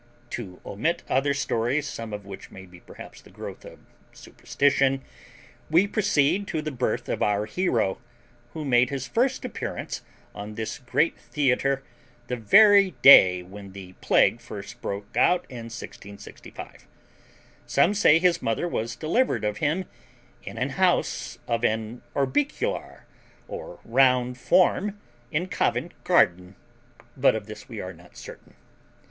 To omit other stories, some of which may be perhaps the growth of superstition, we proceed to the birth of our hero, who made his first appearance on this great theatre the very day when the plague first broke out in 1665. Some say his mother was delivered of him in an house of an orbicular or round form in Covent garden; but of this we are not certain.